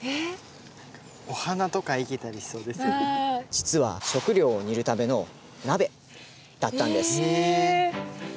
実は食料を煮るための鍋だったんです。え！？